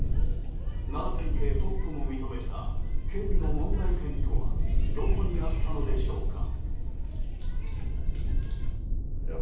奈良県警トップも認めた警備の問題点とはどこにあったのでしょうか。